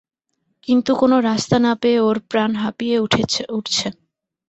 কিন্তু কোনো রাস্তা না পেয়ে ওর প্রাণ হাঁপিয়ে উঠছে।